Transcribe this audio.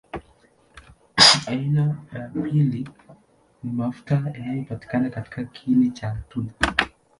Aina ya pili ni mafuta yanapatikana katika kiini cha tunda.